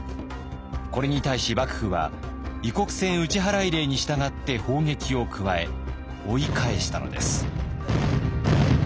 これに対し幕府は異国船打払令に従って砲撃を加え追い返したのです。